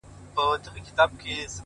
ورته ښېراوي هر ماښام كومه ـ